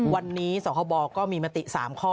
วันนี้สคบก็มีมติ๓ข้อ